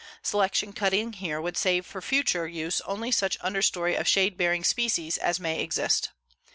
Selection cutting here would save for future use only such understory of shade bearing species as may exist.